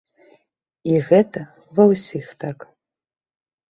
І гэта ва ўсіх так.